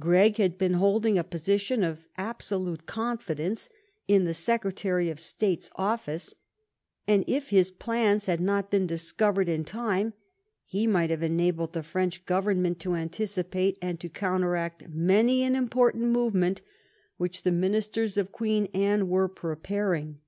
Gregg had been holding a position of abso lute confidence in the Secretary of State's office, and if his plans had not been discovered in time he might have enabled the French government to anticipate and to counteract many an important movement which the ministers of Queen Anne were preparing.